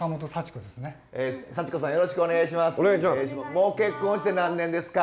もう結婚して何年ですか？